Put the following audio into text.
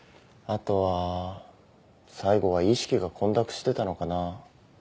あとは最後は意識が混濁してたのかな。